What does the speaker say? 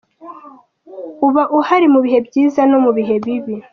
Uba uhari mu bihe byiza no mu bihe bibi.